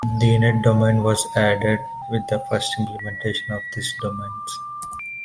The net domain was added with the first implementation of these domains.